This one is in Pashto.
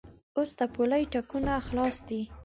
اوس د پولې ټکونه خلاص دي.